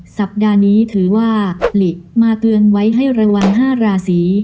สัปดาห์นี้ถือว่าหลีมาเตือนไว้ให้ระวัง๕ราศี